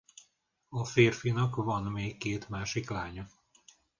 A férfinek van még két másik lánya.